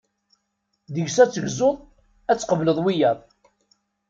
Deg-s ad tegzuḍ, ad tqebleḍ wiyaḍ.